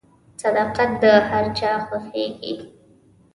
• صداقت د هر چا خوښیږي.